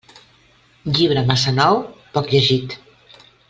Llibre massa nou, poc llegit.